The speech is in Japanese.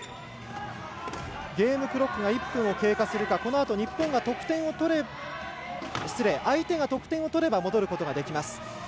ゲームクロックが１分を経過するかこのあと相手が得点を取れば戻ることができます。